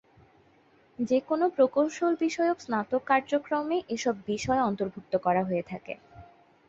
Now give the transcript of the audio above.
যেকোনো প্রকৌশল বিষয়ক স্নাতক কার্যক্রমে এসব বিষয় অন্তর্ভুক্ত করা হয়ে থাকে।